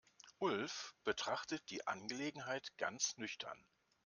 Ulf betrachtet die Angelegenheit ganz nüchtern.